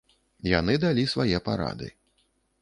Яны далі свае парады.